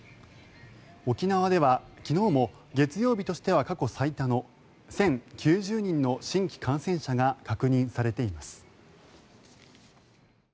沖縄では昨日も月曜日としては過去最多の１０９０人の新規感染者が確認されています。